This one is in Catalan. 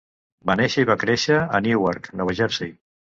Va néixer i va créixer a Newark, Nova Jersey.